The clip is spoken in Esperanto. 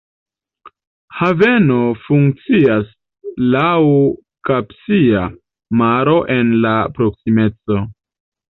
Haveno funkcias laŭ Kaspia Maro en la proksimeco.